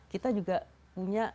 kita juga punya